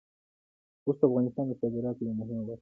اوښ د افغانستان د صادراتو یوه مهمه برخه ده.